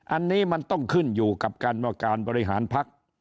อันนี้มันต้องขึ้นอยู่กับกรรมการบริหารพัก